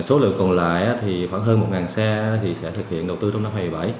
số lượng còn lại thì khoảng hơn một xe sẽ thực hiện đầu tư trong năm hai nghìn một mươi bảy